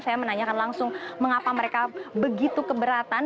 saya menanyakan langsung mengapa mereka begitu keberatan